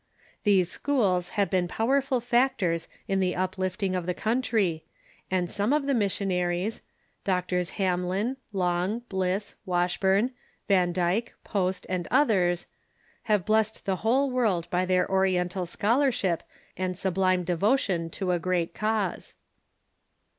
These schools have been powerful factors in the uplifting of the country, and some of the missionaries — Drs. Hamlin, Long, Bliss, Washburn, Van Dyck, Post, and others — have blessed the whole world by their Oriental schol arship and sublime devotion to a great cause.